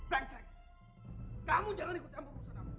kamu jangan ikut campur pusat kamu